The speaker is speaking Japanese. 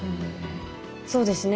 そうですね